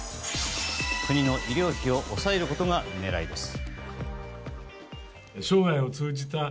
国の医療費を抑えることが狙いです。